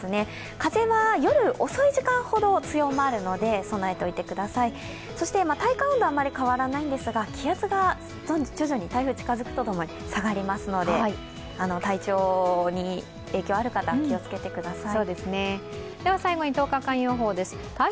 風は夜遅い時間ほど強まるので備えておいてください、体感温度はあまり変わらないんですが気圧が徐々に台風が近づくとともに下がりますので体調に影響ある方は気を付けてください。